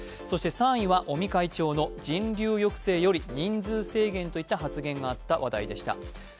そして３位は尾身会長の人流抑制より人数制限という発言があった話題でした。